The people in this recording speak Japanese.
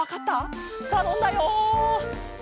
たのんだよ。